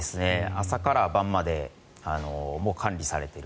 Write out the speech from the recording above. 朝から晩まで管理されている。